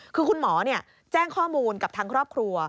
คือคุณหมอแจ้งข้อมูลกับทางครอบครัว